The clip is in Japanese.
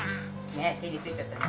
ねえ手についちゃったね。